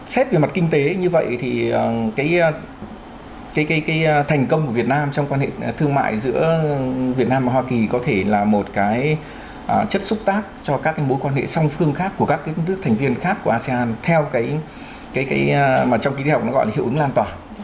xét về mặt kinh tế như vậy thì cái thành công của việt nam trong quan hệ thương mại giữa việt nam và hoa kỳ có thể là một cái chất xúc tác cho các mối quan hệ song phương khác của các nước thành viên khác của asean theo trong kỳ thi học nó gọi là hiệu ứng lan tỏa